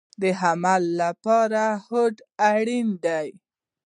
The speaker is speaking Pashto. د عمل لپاره هوډ اړین دی